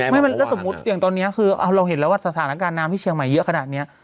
ไม่แล้วสมมุติอย่างตอนนี้คือเราเห็นแล้วว่าสถานการณ์น้ำที่เชียงใหม่เยอะขนาดนี้